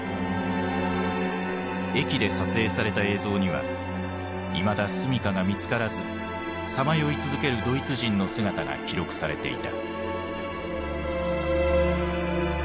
駅で撮影された映像にはいまだ住みかが見つからずさまよい続けるドイツ人の姿が記録されていた。